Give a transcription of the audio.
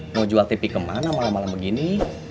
mau jual tv kemana malam malam begini